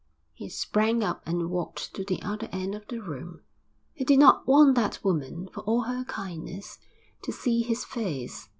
He sprang up and walked to the other end of the room. He did not want that woman, for all her kindness, to see his face.